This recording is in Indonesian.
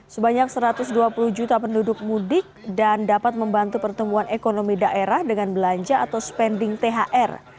sebanyak satu ratus dua puluh juta penduduk mudik dan dapat membantu pertumbuhan ekonomi daerah dengan belanja atau spending thr